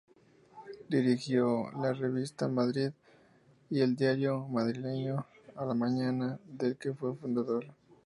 Dirigió la revista "Madrid" y el diario madrileño "La Mañana", del que fue fundador.